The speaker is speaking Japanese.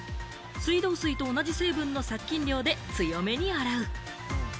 水道水と同じ成分の殺菌料で強めに洗う。